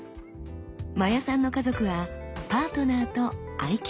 真矢さんの家族はパートナーと愛犬。